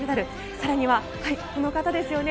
更にはこの方ですよね。